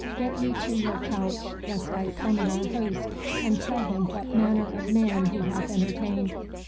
Get ye to your couch, lest I summon our host and tell him what manner of man he hath entertained.